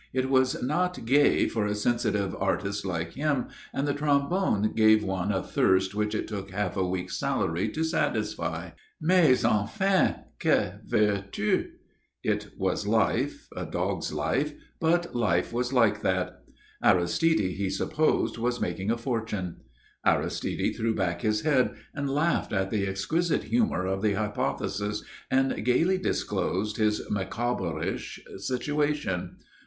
It was not gay for a sensitive artist like him, and the trombone gave one a thirst which it took half a week's salary to satisfy. Mais enfin, que veux tu? It was life, a dog's life, but life was like that. Aristide, he supposed, was making a fortune. Aristide threw back his head, and laughed at the exquisite humour of the hypothesis, and gaily disclosed his Micawberish situation.